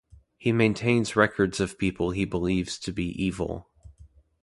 He maintains records of people he believes to be "evil".